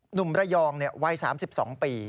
หนุ่มระยองเนี่ยวัย๓๒ปี